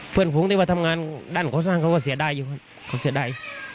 เพื่อนฟุ้งที่เอาถามงานด้านของเขาสร้างเขาก็เสียใดคนเขาเสียใด